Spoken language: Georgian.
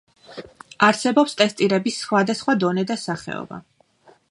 არსებობს ტესტირების სხვადასხვა დონე და სახეობა.